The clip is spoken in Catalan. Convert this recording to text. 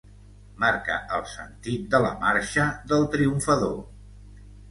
Marca el sentit de la marxa del triomfador.